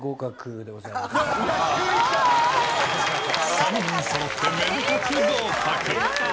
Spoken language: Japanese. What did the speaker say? ３人そろってめでたく合格。